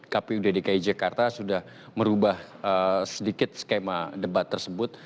kpu dki jakarta sudah merubah sedikit skema debat tersebut